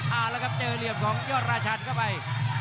เอาละครับเจอเหลี่ยมของยอดราชันเข้าไป